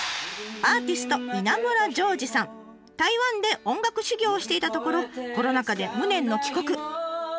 台湾で音楽修業をしていたところコロナ禍で無念の帰国。